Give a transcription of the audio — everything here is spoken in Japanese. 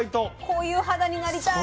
こういう肌になりたい。